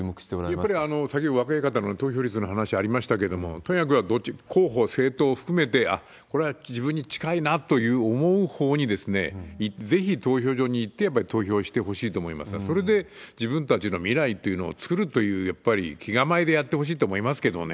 やっぱり先ほど若い方の投票率の話ありましたけれども、とにかく候補、政党を含めて、あっ、これは自分に近いなと思うほうに、ぜひ投票所に行ってやっぱり投票してほしいと思いますが、それで自分たちの未来というのを作るという、やっぱり気構えでやってほしいと思いますけれどもね。